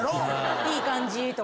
「いい感じ」とか。